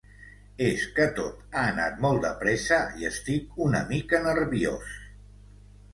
És que tot ha anat molt de pressa i estic una mica nerviós.